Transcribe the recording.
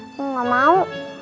aku gak mau